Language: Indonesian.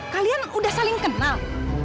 kalian udah saling kenal